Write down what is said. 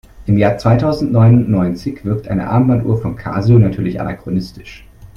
Im Jahr zweitausendneunundneunzig wirkt eine Armbanduhr von Casio natürlich anachronistisch.